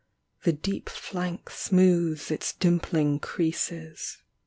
The deep flank smoothes its dimpling creases.